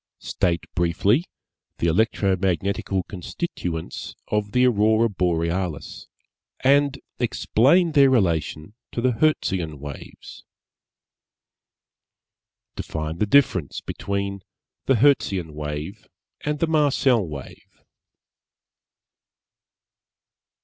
_ _State briefly the electromagnetical constituents of the Aurora Borealis, and explain their relation to the Hertzian Waves._ _Define the difference between the Hertzian Wave and the Marcel Wave.